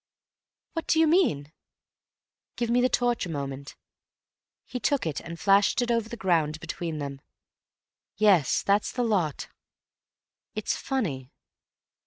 "What do you mean?" "Give me the torch a moment." He took it and flashed it over the ground between them. "Yes, that's the lot. It's funny."